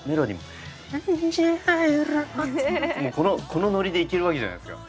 このノリでいけるわけじゃないですか。